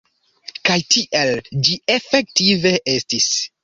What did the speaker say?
Kaj tiel ĝi efektive estis.